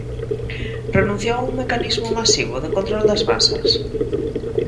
¿Renunciou a un mecanismo masivo de control das masas?